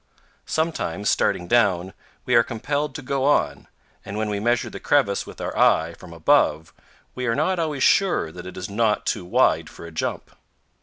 Sometimes, starting down, we are compelled to go on, and when we measure the crevice with our eye from above we are not always sure that it is not too wide for a jump.